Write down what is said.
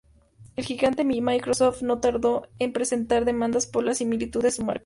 El gigante Microsoft no tardó en presentar demandas por la similitud a su marca.